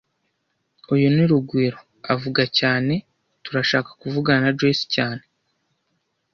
Uyu ni Rugwiro avuga cyane Turashaka kuvugana na Joyce cyane